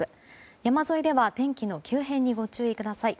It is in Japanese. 山沿いでは天気の急変にご注意ください。